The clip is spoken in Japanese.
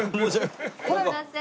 すいません。